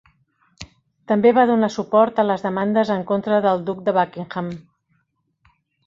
També va donar suport a les demandes en contra del Duc de Buckingham.